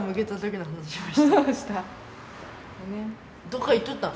どっか行っとったん？